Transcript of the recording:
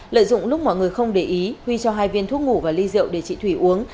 lợi dụng lúc mọi người không để ý huy cho hai viên thuốc ngủ và ly rượu để chị thủy uống